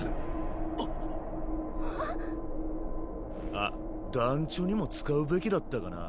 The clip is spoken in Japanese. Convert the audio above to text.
あっ団ちょにも使うべきだったかな。